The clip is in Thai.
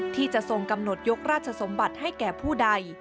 ที่จะทรงกำหนดยกราชสมบัติให้แก่ผู้ใด